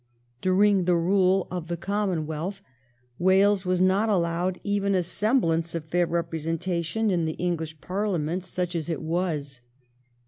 During the rule of the Commonwealth Wales was not allowed even a semblance of fair representation in the English Parliament, such as it was.